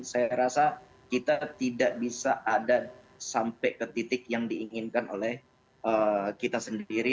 saya rasa kita tidak bisa ada sampai ke titik yang diinginkan oleh kita sendiri